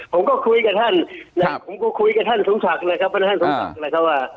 ผมก็คุยกับท่านสมศักดิ์